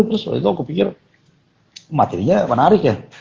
terus waktu itu aku pikir materinya menarik ya